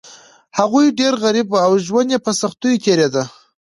هغوی ډیر غریب وو او ژوند یې په سختیو تیریده.